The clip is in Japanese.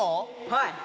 はい！